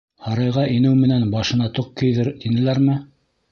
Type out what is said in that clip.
Һарайға инеү менән башына тоҡ кейҙер, тинеләрме?